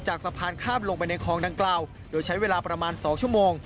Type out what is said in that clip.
สะพานข้ามลงไปในคลองดังกล่าวโดยใช้เวลาประมาณ๒ชั่วโมง